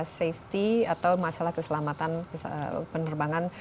safety atau masalah keselamatan penerbangan